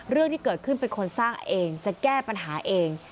เรื่องที่เกิดขึ้นเป็นคนสร้างเองจะแก้ปัญหาเอง